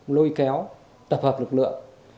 lôi kéo tập hợp lực lượng